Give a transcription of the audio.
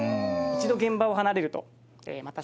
一度現場を離れるとまた。